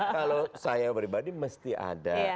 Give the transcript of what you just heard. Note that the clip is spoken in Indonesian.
kalau saya pribadi mesti ada